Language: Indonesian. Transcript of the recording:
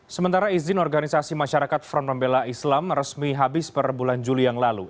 sementara izin organisasi masyarakat front pembela islam resmi habis per bulan juli yang lalu